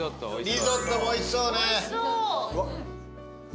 リゾットもおいしそうね。